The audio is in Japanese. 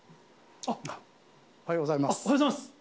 あ、おはようございます。